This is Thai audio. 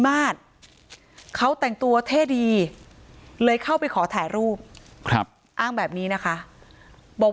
มาตรเขาแต่งตัวเท่ดีเลยเข้าไปขอถ่ายรูปครับอ้างแบบนี้นะคะบอก